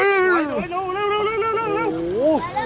โอ้โห